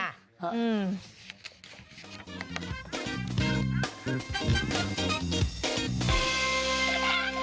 อะอือ